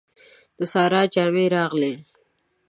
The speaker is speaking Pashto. د سارا جامې راغلې.